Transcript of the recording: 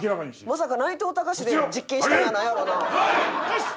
「まさか内藤剛志で実験したんやないやろな？」